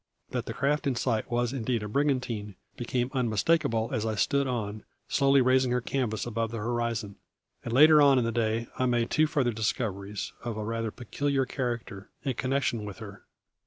That the craft in sight was indeed a brigantine became unmistakable as I stood on, slowly raising her canvas above the horizon; and later on in the day I made two further discoveries, of a rather peculiar character, in connection with her.